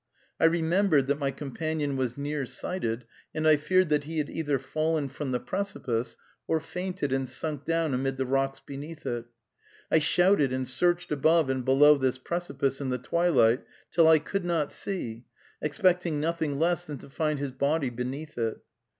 I remembered that my companion was near sighted, and I feared that he had either fallen from the precipice, or fainted and sunk down amid the rocks beneath it. I shouted and searched above and below this precipice in the twilight till I could not see, expecting nothing less than to find his body beneath it.